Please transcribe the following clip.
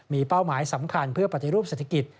มีเป้าหมายสำคัญเพื่อปฏิรูปเศรษฐกิจ